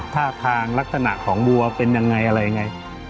ท่าทางลักษณะของวัวเป็นยังไงอะไรยังไง